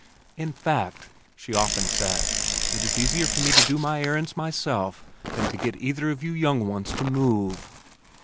"In fact," she often said, "it is easier for me to do my errands myself than to get either of you young ones to move."